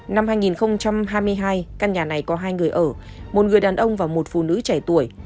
năm hai nghìn hai mươi hai căn nhà này có hai người ở một người đàn ông và một phụ nữ trẻ tuổi